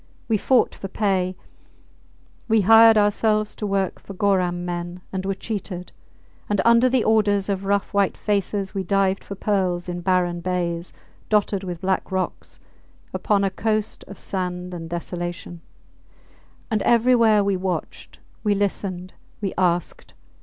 We fought for pay; we hired ourselves to work for Goram men, and were cheated; and under the orders of rough white faces we dived for pearls in barren bays, dotted with black rocks, upon a coast of sand and desolation. And everywhere we watched, we listened, we asked.